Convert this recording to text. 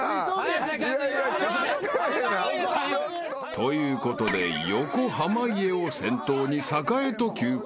［ということで横濱家を先頭に坂へと急行］